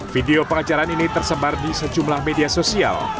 video pengajaran ini tersebar di sejumlah media sosial